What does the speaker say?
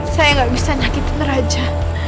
saya gak bisa nyakitin raja